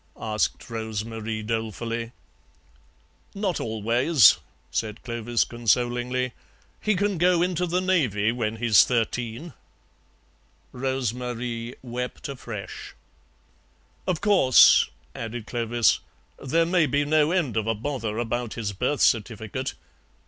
asked Rose Marie dolefully. "Not always," said Clovis consolingly; "he can go into the Navy when he's thirteen." Rose Marie wept afresh. "Of course," added Clovis, "there may be no end of a bother about his birth certificate.